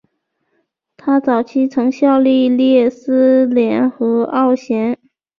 他早期曾效力列斯联和奥咸。